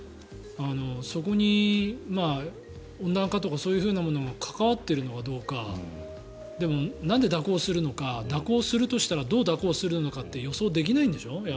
そこに温暖化とかそういうのが関わっているのかどうかでも、なんで蛇行するのか蛇行するとしたらどう蛇行するのかって予想できないんでしょ。